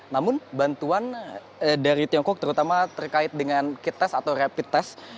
namun bantuan dari tiongkok terutama terkait dengan kit test atau rapid test